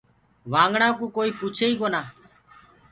وآگنآ ڪوُ ڪوئيٚ پوڇي ئيٚ ڪونآ۔